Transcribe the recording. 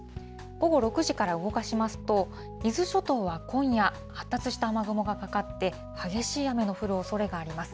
午後６時から動かしますと、伊豆諸島は今夜、発達した雨雲がかかって、激しい雨の降るおそれがあります。